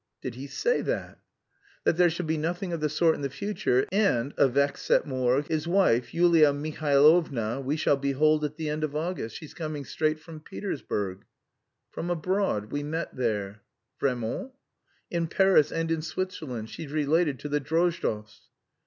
'" "Did he say that?" "That 'there shall be nothing of the sort in future,' and, avec cette morgue.... His wife, Yulia Mihailovna, we shall behold at the end of August, she's coming straight from Petersburg." "From abroad. We met there." "Vraiment?" "In Paris and in Switzerland. She's related to the Drozdovs."